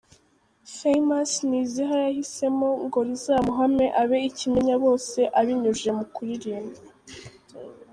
Famous ni iziha yahisemo ngo rizamuhame abe ikimenyabose abinyujije mu kuririmba.